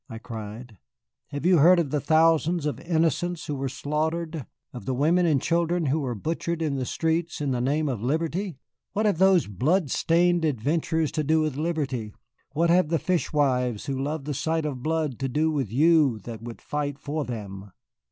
I cried. "Have you heard of the thousands of innocents who are slaughtered, of the women and children who are butchered in the streets in the name of Liberty? What have those blood stained adventurers to do with Liberty, what have the fish wives who love the sight of blood to do with you that would fight for them?